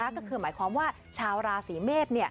ก็คือหมายความว่าชาวราศีเมษ